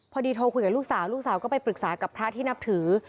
พอดีโทรคุยกับลูกสาวลูกสาวก็ไปปรึกษากับพระที่นับถือ